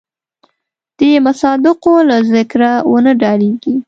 د مصادقو له ذکره ونه ډارېږي.